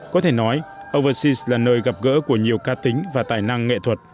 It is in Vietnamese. có thể nói overseas là nơi gặp gỡ của nhiều ca tính và tài năng nghệ thuật